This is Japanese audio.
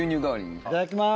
いただきます。